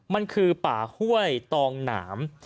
มันคือป่าห้วยตองหนาม